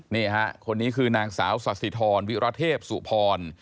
นี่ฮะคนนี้คือนางสาวสาธิธรวิรเทพสุพร